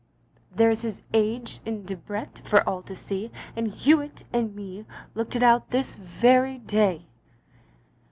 There 's his age in Debrett for all to see, and Hewitt and me looked it out this very day.